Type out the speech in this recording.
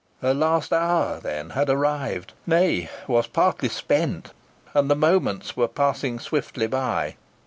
Her last hour then had arrived nay, was partly spent, and the moments were passing swiftly by.